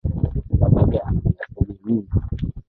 Babake ana ujasiri mno